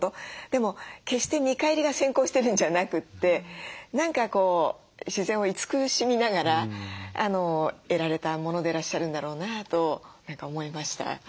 でも決して見返りが先行してるんじゃなくて何かこう自然を慈しみながら得られたものでらっしゃるんだろうなと何か思いました。